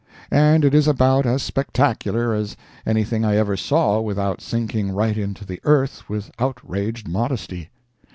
And it is about as spectacular as anything I ever saw without sinking right into the earth with outraged modesty.